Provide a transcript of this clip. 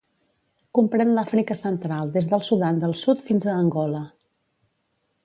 Comprén l'Àfrica Central des del Sudan del Sud fins a Angola.